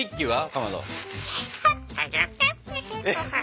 かまど。